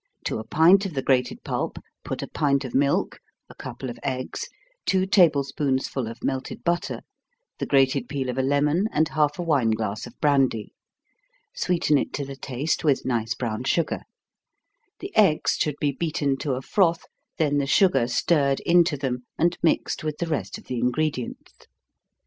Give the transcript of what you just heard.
To a pint of the grated pulp put a pint of milk, a couple of eggs, two table spoonsful of melted butter, the grated peel of a lemon, and half a wine glass of brandy. Sweeten it to the taste with nice brown sugar. The eggs should be beaten to a froth, then the sugar stirred into them, and mixed with the rest of the ingredients.